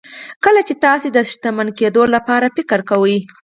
کله چې تاسې د شتمن کېدو لپاره فکر کوئ.